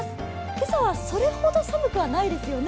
今朝はそれほど寒くはないですよね。